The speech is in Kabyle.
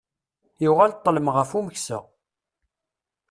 Yuɣal ṭṭelm ɣef umeksa.